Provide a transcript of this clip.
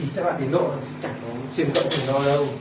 chỉ phải dùng ít người đó